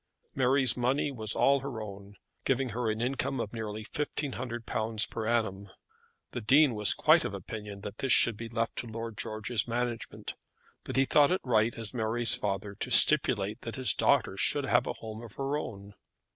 Mary's money was all her own, giving her an income of nearly £1500 per annum. The Dean was quite of opinion that this should be left to Lord George's management, but he thought it right as Mary's father to stipulate that his daughter should have a home of her own.